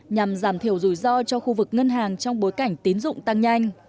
nhằm giảm thiểu rủi ro cho khu vực ngân hàng trong bối cảnh tín dụng tăng nhanh